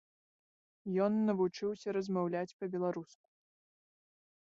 Ён навучыўся размаўляць па-беларуску.